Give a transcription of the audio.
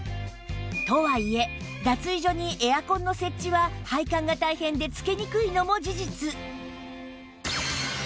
とはいえ脱衣所にエアコンの設置は配管が大変でつけにくいのも事実